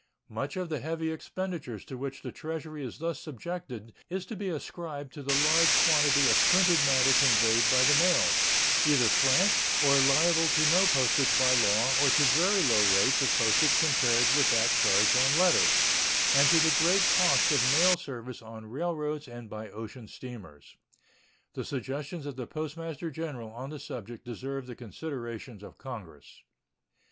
Much of the heavy expenditures to which the Treasury is thus subjected is to be ascribed to the large quantity of printed matter conveyed by the mails, either franked or liable to no postage by law or to very low rates of postage compared with that charged on letters, and to the great cost of mail service on railroads and by ocean steamers. The suggestions of the Postmaster General on the subject deserve the consideration of Congress.